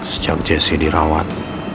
sejak jesse dirawat